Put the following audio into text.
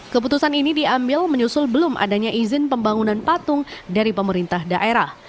keputusan ini diambil menyusul belum adanya izin pembangunan patung dari pemerintah daerah